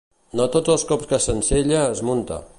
No tots els cops que s'ensella es munta.